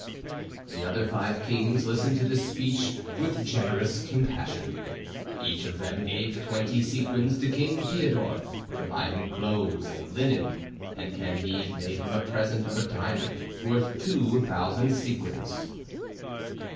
The other five kings listened to this speech with generous compassion. Each of them gave twenty sequins to King Theodore to buy him clothes and linen; and Candide made him a present of a diamond worth two thousand sequins.